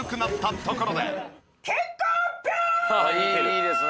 「いいですね」